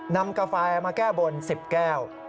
นำกระไฟมาแก้บนสิบแก้ว